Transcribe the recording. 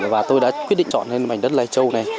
và tôi đã quyết định chọn lên mảnh đất lai châu này